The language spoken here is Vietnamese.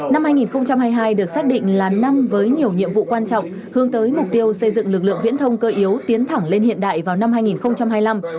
năm hai nghìn hai mươi hai được xác định là năm với nhiều nhiệm vụ quan trọng hướng tới mục tiêu xây dựng lực lượng viễn thông cơ yếu tiến thẳng lên hiện đại vào năm hai nghìn hai mươi năm